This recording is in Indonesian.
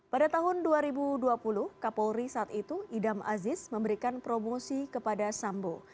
pada tahun dua ribu dua puluh kapolri saat itu idam aziz memberikan promosi kepada sambo